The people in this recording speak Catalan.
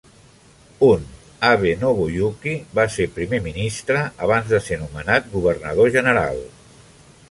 Un, Abe Nobuyuki, va ser primer ministre abans de ser nomenat governador general.